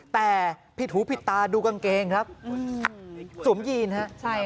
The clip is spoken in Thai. แต่ผิดหูผิดตาดูกางเกงครับสวมยีนฮะ